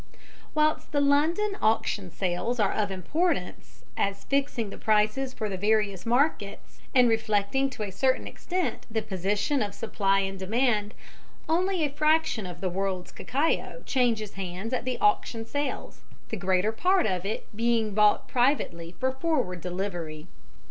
Whilst the London Auction Sales are of importance as fixing the prices for the various markets, and reflecting to a certain extent the position of supply and demand, only a fraction of the world's cacao changes hands at the Auction Sales, the greater part of it being bought privately for forward delivery.